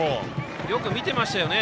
よく見ていましたよね